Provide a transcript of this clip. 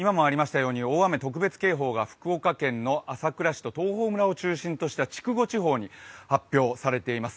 大雨特別警報が福岡県の朝倉市と東峰村を中心とした筑後地方に発表されています。